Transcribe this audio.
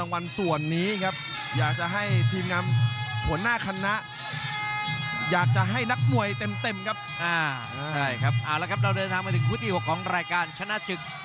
ไม่มีการหัก๑๒๖